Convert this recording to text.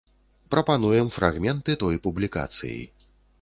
Прапануем фрагменты той публікацыі.